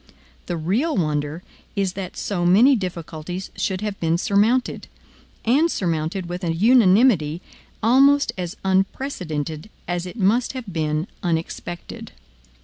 The real wonder is that so many difficulties should have been surmounted, and surmounted with a unanimity almost as unprecedented as it must have been unexpected.